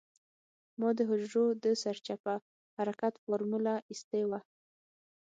ما د حجرو د سرچپه حرکت فارموله اېستې وه.